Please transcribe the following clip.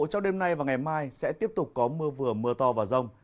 trong đêm nay và ngày mai sẽ tiếp tục có mưa vừa mưa to và rông